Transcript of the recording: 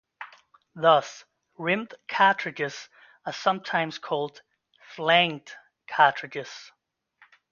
Thus, rimmed cartridges are sometimes called "flanged" cartridges.